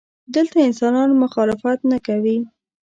دلته انسانان مخالفت نه کوي.